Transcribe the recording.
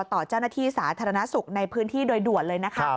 ต่อเจ้าหน้าที่สาธารณสุขในพื้นที่โดยด่วนเลยนะคะ